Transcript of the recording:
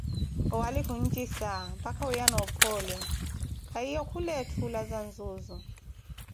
owali kiunjisa, mpaka wiiyana ophoole, kahiye khula etthu olaza nzuuzu.